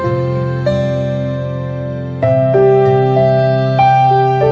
สำคัญพูดความฝัง